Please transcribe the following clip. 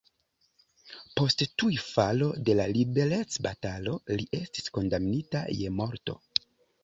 Post tuj falo de la liberecbatalo li estis kondamnita je morto.